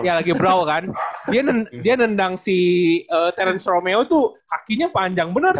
ya lagi brow kan dia nendang si terence romeo tuh kakinya panjang bener tuh